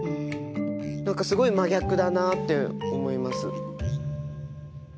何かすごい真逆だなって思います。